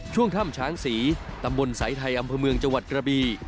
ช่วงถ้ำช้างศรีตำบลสายไทยอำเภอเมืองจังหวัดกระบี